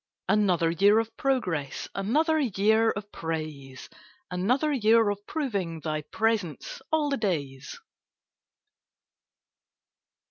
Another year of progress, Another year of praise; Another year of proving Thy presence 'all the days.'